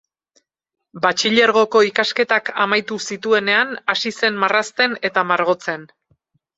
Batxilergoko ikasketak amaitu zituenean hasi zen marrazten eta margotzen.